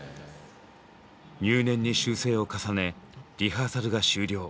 入念に修正を重ねリハーサルが終了。